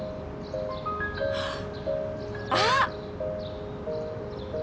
あっ！